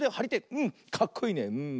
うんかっこいいねうん。